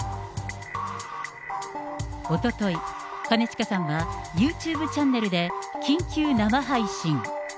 おととい、兼近さんはユーチューブチャンネルで緊急生配信。